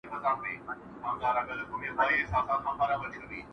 دا چي مي تر سترګو میکده میکده کيږې،